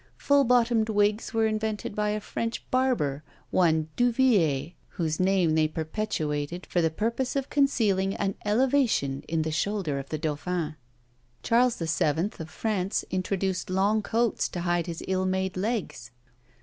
Full bottomed wigs were invented by a French barber, one Duviller, whose name they perpetuated, for the purpose of concealing an elevation in the shoulder of the Dauphin. Charles VII. of France introduced long coats to hide his ill made legs.